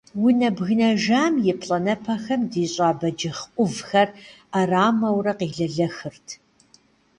Унэ бгынэжам и плӏанэпэхэм дищӏа бэджыхъ ӏувхэр ӏэрамэурэ къелэлэхырт.